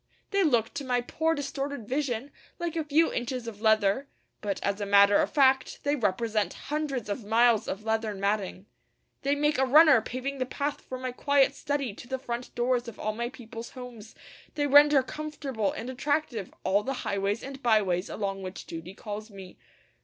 They look to my poor distorted vision like a few inches of leather; but as a matter of fact they represent hundreds of miles of leathern matting. They make a runner paving the path from my quiet study to the front doors of all my people's homes; they render comfortable and attractive all the highways and byways along which duty calls me.